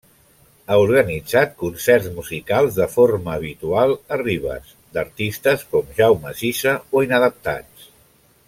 Ha organitzat concerts musicals de forma habitual a Ribes, d'artistes com Jaume Sisa o Inadaptats.